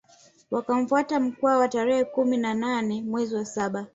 Wakamfuata Mkwawa tarehe kumi na nane mwezi wa saba